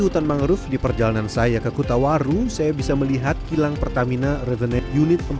hutan mangrove di perjalanan saya ke kutawaru saya bisa melihat kilang pertamina revenet unit